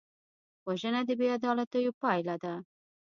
وژنه د بېعدالتیو پایله ده